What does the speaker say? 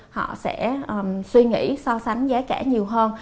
họ sẽ suy nghĩ so sánh giá cả nhiều hơn